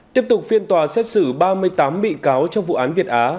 tiếp tục phiên tòa xét xử ba mươi tám bị cáo trong vụ án việt á